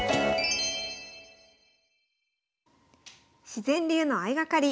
自然流の相掛かり。